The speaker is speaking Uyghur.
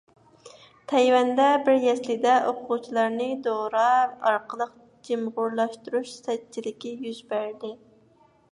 تەيۋەندە بىر يەسلىدە ئوقۇغۇچىلارنى دورا ئارقىلىق جىمىغۇرلاشتۇرۇش سەتچىلىكى يۈز بەردى.